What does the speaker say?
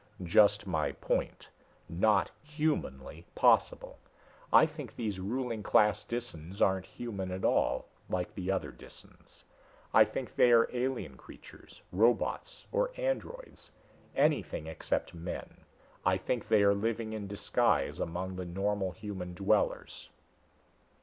"Just my point. Not humanly possible. I think these ruling class Disans aren't human at all, like the other Disans. I think they are alien creatures robots or androids anything except men. I think they are living in disguise among the normal human dwellers."